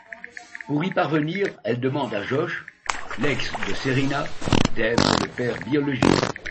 Pour y parvenir, elles demandent à Josh, l'ex de Cerina, d'être le père biologique.